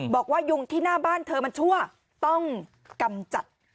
บอกว่ายุงที่หน้าบ้านเธอมันชั่วต้องกำจัด